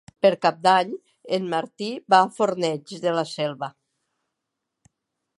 Per Cap d'Any en Martí va a Fornells de la Selva.